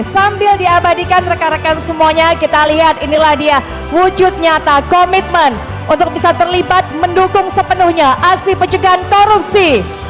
sambil diabadikan rekan rekan semuanya kita lihat inilah dia wujud nyata komitmen untuk bisa terlibat mendukung sepenuhnya aksi pencegahan korupsi